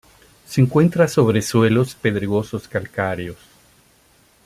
Se encuentra sobre suelos pedregosos calcáreos.